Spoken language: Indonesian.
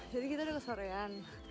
jadi kita sudah ke sorean